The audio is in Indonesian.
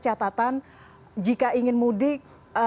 catatan jika ingin mudik